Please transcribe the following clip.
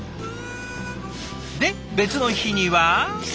で別の日には。